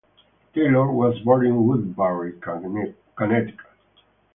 Taylor was born in Woodbury, Connecticut.